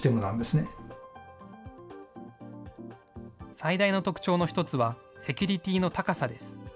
最大の特徴の一つは、セキュリティーの高さです。